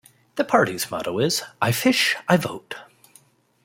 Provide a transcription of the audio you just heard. The party's motto is 'I fish I vote'.